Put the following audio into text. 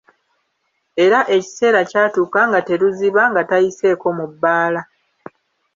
Era ekiseera kyatuuka nga teruziba nga tayiseeko mu bbaala.